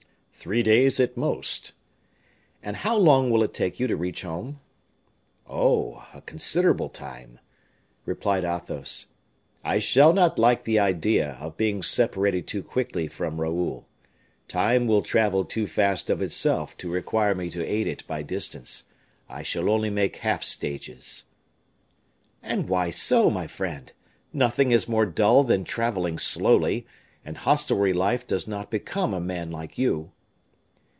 "Three days at most." "And how long will it take you to reach home?" "Oh! a considerable time," replied Athos. "I shall not like the idea of being separated too quickly from Raoul. Time will travel too fast of itself to require me to aid it by distance. I shall only make half stages." "And why so, my friend? Nothing is more dull than traveling slowly; and hostelry life does not become a man like you."